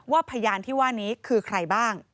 พยานที่ว่านี้คือใครบ้าง